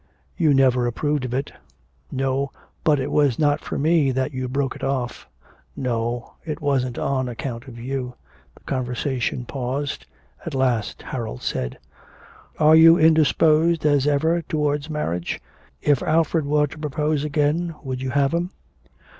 'You never approved of it.' No, but it was not for me that you broke it off.' 'No, it wasn't on account of you.' The conversation paused. At last Harold said: 'Are you as indisposed as ever towards marriage? If Alfred were to propose again would you have him?'